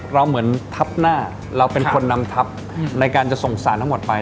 เราเหมือนทับหน้าเราเป็นคนนำทับในการจะส่งสารทั้งหมดไป